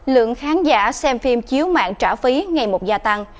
lượng khán giả xem phim chiếu mạng trả phí ngày một gia tăng